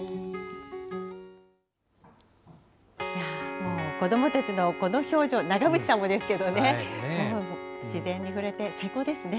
もう子どもたちのこの表情、長渕さんもですけどね、自然に触れて最高ですね。